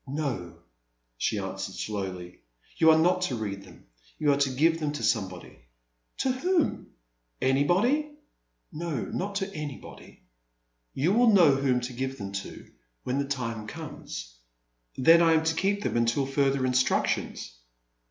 " No, she answered slowly, you are not to A Pleasant Evening. 323 read them ; you are to give them to some body. 'To whom? Anybody?*' No, not to anybody. You will know whom to give them to when the time comes." Then I am to keep them until further instruc tions?''